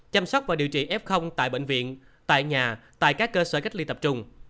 chăm sóc và điều trị f tại bệnh viện tại nhà tại các cơ sở cách ly tập trung